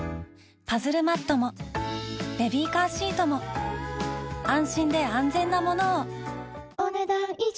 パズルマットもベビーカーシートも安心で安全なものをお、ねだん以上。